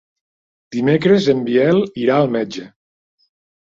Dimecres en Biel irà al metge.